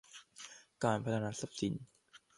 การพัฒนาทรัพย์สิน